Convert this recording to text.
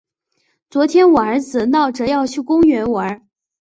昨天我儿子闹着要去公园玩。